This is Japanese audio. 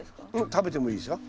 食べてもいいですよ。